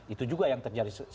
itu juga yang terjadi